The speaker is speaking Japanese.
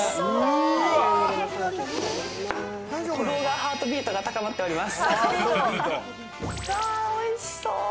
ハートビートが高まっております。